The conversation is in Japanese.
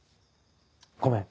ごめん。